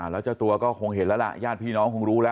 แล้วเจ้าตัวก็คงเห็นแล้วล่ะญาติพี่น้องคงรู้แล้ว